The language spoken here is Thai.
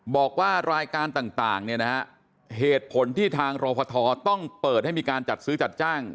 บอกว่ารายการต่างเนี่ยนะฮะเหตุผลที่ทางรพทต้องเปิดให้มีการจัดซื้อจัดจ้าง